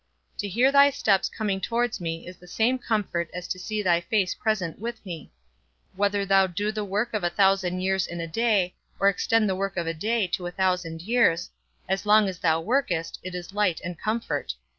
To hear thy steps coming towards me is the same comfort as to see thy face present with me; whether thou do the work of a thousand years in a day, or extend the work of a day to a thousand years, as long as thou workest, it is light and comfort.